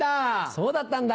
そうだったんだ。